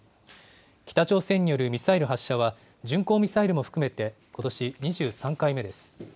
北朝鮮によるミサイル発射は、巡航ミサイルも含めてことし２３回目です。